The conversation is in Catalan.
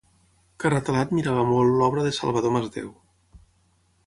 Carratalà admirava molt l’obra de Salvador Masdeu.